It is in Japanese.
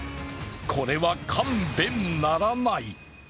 これは勘ベンならない！